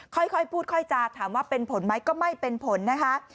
ค่อยพูดค่อยจาถามว่าเป็นผลไหมก็ไม่เป็นผลนะคะ